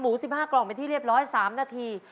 ๑๕กล่องเป็นที่เรียบร้อย๓นาที